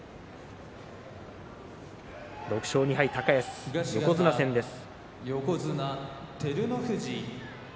６勝２敗、高安、横綱戦です。